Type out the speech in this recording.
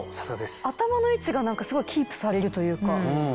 頭の位置がすごいキープされるというか。